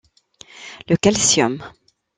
Le calcium!